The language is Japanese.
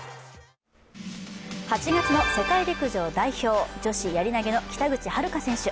８月の世界陸上代表女子やり投げの北口榛花選手。